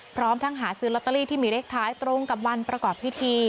พร้อมทั้งหาซื้อลอตเตอรี่ที่มีเลขท้ายตรงกับวันประกอบพิธี